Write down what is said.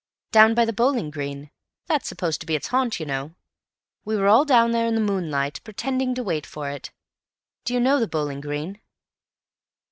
"Down by the bowling green. That's supposed to be its haunt, you know. We were all down there in the moonlight, pretending to wait for it. Do you know the bowling green?"